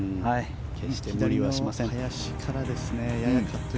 決して無理はしません。